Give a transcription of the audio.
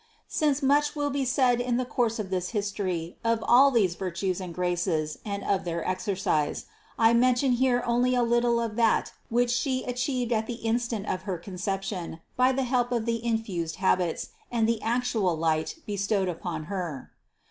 228. Since much will be said in the course of this his tory, of all these virtues and graces and of their exer cise, I mention here only a little of that which She achieved at the instant of her Conception by the help of the infused habits and the actual light bestowed upon Her.